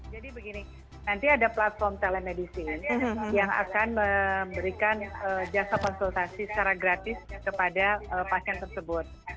jadi begini nanti ada platform telemedicine yang akan memberikan jasa konsultasi secara gratis kepada pasien tersebut